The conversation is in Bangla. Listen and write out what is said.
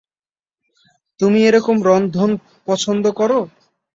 তুমি এরকম রন্ধন পছন্দ করো?